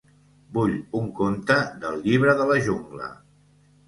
Vull un conte del Llibre de la jungla!